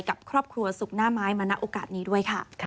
กับครอบครัวสุขหน้าไม้มาณโอกาสนี้ด้วยค่ะ